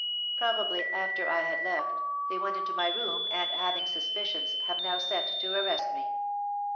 Probably, after I had left, they went into my room and, having suspicions, have now sent to arrest me.